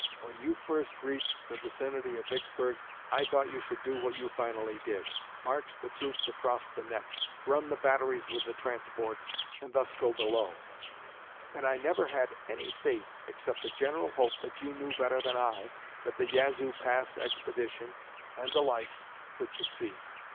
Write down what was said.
When you first reached the vicinity of Vicksburg, I thought you should do what you finally did march the troops across the neck, run the batteries with the transports, and thus go below; and I never had any faith, except a general hope that you knew better than I, that the Yazoo Pass expedition, and the like, could succeed.